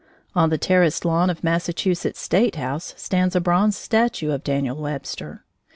On the terraced lawn of Massachusetts' State house stands a bronze statue of Daniel Webster.